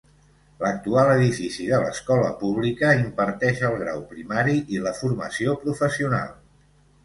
L'actual edifici de l'escola pública imparteix el grau primari i la Formació Professional.